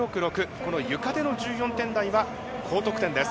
このゆかでの１４点台は高得点です。